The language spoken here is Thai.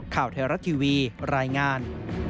ข่าวไทยรัฐทีวีรายงาน